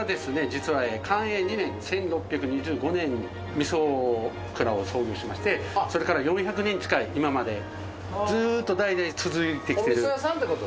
実は寛永２年１６２５年に味噌蔵を創業しましてそれから４００年近い今までずっと代々続いてきてるお味噌屋さんってことですね